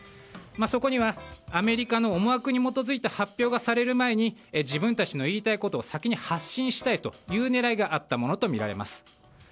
そこにはアメリカの思惑に基づいた発表がされる前に自分たちの言いたいことを先に発信したいという狙いがあったものとみられます。